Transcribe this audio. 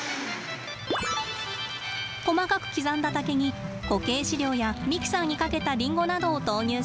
細かく刻んだ竹に固形飼料やミキサーにかけたリンゴなどを投入します。